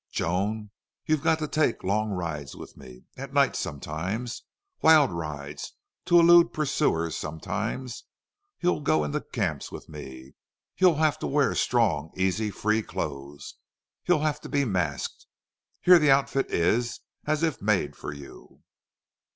"Joan, you've got to take long rides with me. At night sometimes. Wild rides to elude pursuers sometimes. You'll go into camps with me. You'll have to wear strong, easy, free clothes. You'll have to be masked. Here the outfit is as if made for you.